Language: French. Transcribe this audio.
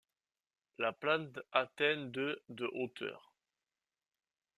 La plante atteint de de hauteur.